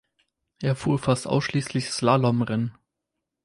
Er fuhr fast ausschließlich Slalomrennen.